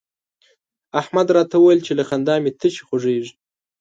احمد راته وويل چې له خندا مې تشي خوږېږي.